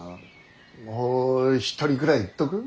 もう一人くらいいっとく？